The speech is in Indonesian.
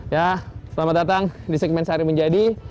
ya selamat datang di segmen sehari menjadi